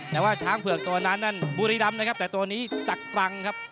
แต่ว่าช้างเผือกตัวนั้นนั่นบุรีรำนะครับแต่ตัวนี้จากตรังครับ